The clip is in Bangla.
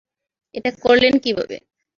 এটা করলেন কীভাবে?